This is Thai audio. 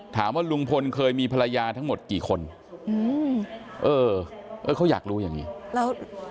ถามว่าลุงพลเคยมีภรรยาทั้งหมดกี่คนอืมเออเออเขาอยากรู้อย่างงี้แล้ว